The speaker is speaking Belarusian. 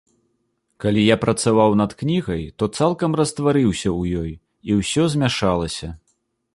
Калі я працаваў над кнігай, то цалкам растварыўся ў ёй і ўсё змяшалася.